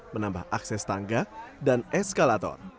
menambah akses tangga dan eskalator